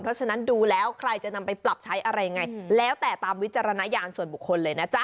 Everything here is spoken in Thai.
เพราะฉะนั้นดูแล้วใครจะนำไปปรับใช้อะไรยังไงแล้วแต่ตามวิจารณญาณส่วนบุคคลเลยนะจ๊ะ